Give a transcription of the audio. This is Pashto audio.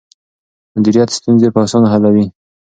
مديريت ستونزې په اسانه حلوي.